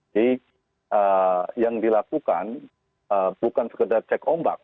jadi yang dilakukan bukan sekedar cek ombak